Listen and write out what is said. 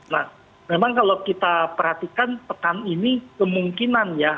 nah memang kalau kita perhatikan pekan ini kemungkinan ya